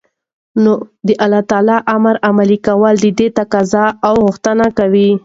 نو دالله تعالى امر عملي كول ددې تقاضا او غوښتنه كوي